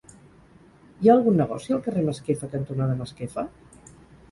Hi ha algun negoci al carrer Masquefa cantonada Masquefa?